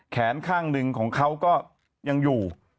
แขนข้างหนึ่งของเขาก็ยังอยู่